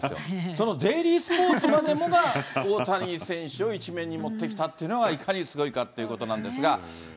そのデイリースポーツまでもが大谷選手を１面にもってきたというのが、いかにすごいかってことなんですが。